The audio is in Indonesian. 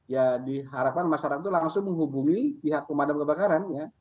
ya diharapkan masyarakat itu langsung menghubungi pihak pemadam kebakaran ya